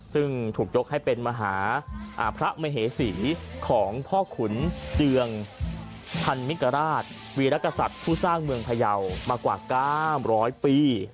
ซึ่งถูกยกให้เป็นมหาพระมเหสีของพ่อขุนเจืองพันมิกราชวีรกษัตริย์ผู้สร้างเมืองพยาวมากว่า๙๐๐ปี